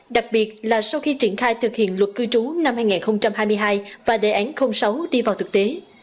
đặc biệt là sau khi triển khai thực hiện luật cư trú năm hai nghìn hai mươi hai và đề án sáu đi vào thực tế